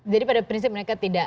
jadi pada prinsip mereka tidak